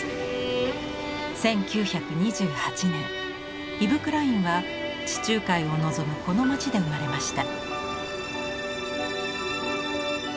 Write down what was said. １９２８年イヴ・クラインは地中海を望むこの町で生まれました。